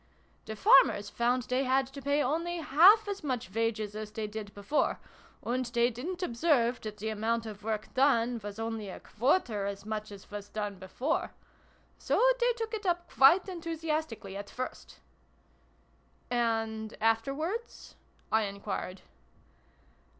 The farmers found they had to pay only half as much wages as they did before, and they didn't observe that the amount of work done was only a quarter as much as was done before: so they took it up quite enthu siastically, at first" " And afterwards ?" I enquired.